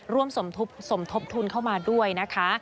สมทบทุนเข้ามาด้วยนะคะ